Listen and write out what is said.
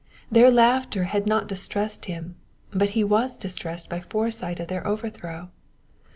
Their laughter had not dis tressed him, but he was distressed by a foresight of their overthrow.